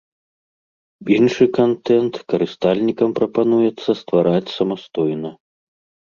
Іншы кантэнт карыстальнікам прапануецца ствараць самастойнай.